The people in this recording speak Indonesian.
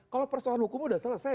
kalau persoalan hukum sudah selesai